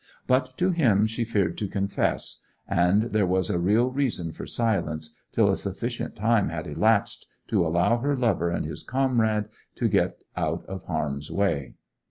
But to him she feared to confess; and there was a real reason for silence, till a sufficient time had elapsed to allow her lover and his comrade to get out of harm's way.